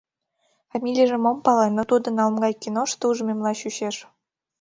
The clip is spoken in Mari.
— Фамилийжым ом пале, но тудым ала-могай киношто ужмемла чучеш.